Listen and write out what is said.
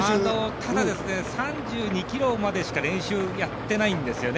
ただ３２ｋｍまでしか練習やっていないんですよね。